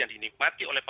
yang dinikmati oleh kpk